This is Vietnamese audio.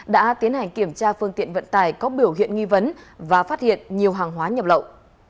đã tiến hành kiểm tra phương tiện vận tải có biểu hiện nghi vấn và phát hiện nhiều hàng hóa nhập lậu